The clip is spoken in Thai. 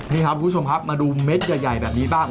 นี่ครับคุณผู้ชมครับมาดูเม็ดใหญ่แบบนี้บ้าง